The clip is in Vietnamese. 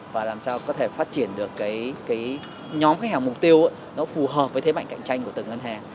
và làm sao có thể phát triển được cái nhóm khách hàng mục tiêu nó phù hợp với thế mạnh cạnh tranh của từng ngân hàng